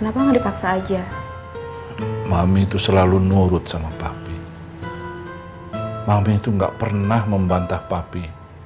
kenapa nggak dipaksa aja mami itu selalu nurut sama papi mami itu enggak pernah membantah papi